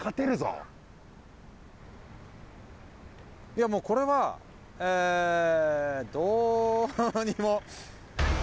いやもうこれはえどうにも。